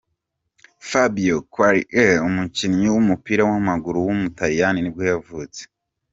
Fabio Quagliarella, umukinnyi w’umupira w’amaguru w’umutaliyani nibwo yavutse.